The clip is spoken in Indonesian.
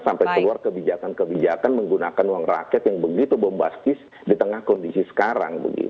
sampai keluar kebijakan kebijakan menggunakan uang rakyat yang begitu bombastis di tengah kondisi sekarang